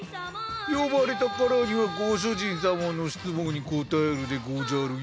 呼ばれたからにはご主人様の質問に答えるでごじゃるよ。